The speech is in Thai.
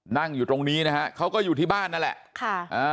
นั่งอยู่ตรงนี้นะฮะเขาก็อยู่ที่บ้านนั่นแหละค่ะอ่า